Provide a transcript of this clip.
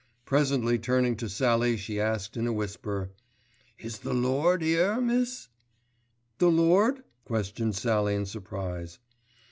Presently turning to Sallie she asked in a whisper, "Is the lord here, miss?" "The lord?" questioned Sallie in surprise.